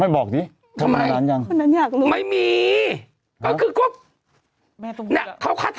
ไม่บอกสิทำไมทำไมซักอย่าง